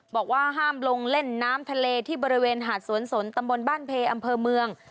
บอกว่าห้ามลงเล่นน้ำทะเลที่บริเวณหาดสวนสนตำบลบ้านเพอำเภอเมือง